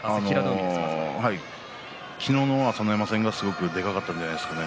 昨日の朝乃山戦がでかかったんじゃないですかね